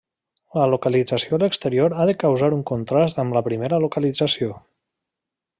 La localització a l'exterior ha de causar un contrast amb la primera localització.